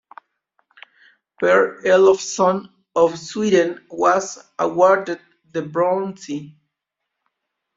Per Elofsson of Sweden was awarded the bronze.